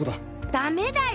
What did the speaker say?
ダメだよ！